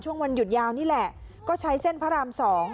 วันหยุดยาวนี่แหละก็ใช้เส้นพระราม๒